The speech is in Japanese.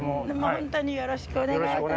ホントによろしくお願いいたします。